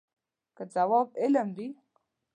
که ځواب علم وي.